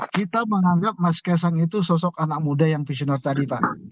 kita menganggap mas kaisang itu sosok anak muda yang visioner tadi pak